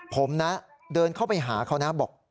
ผมนะเดินเข้าไปหาเขานะบอก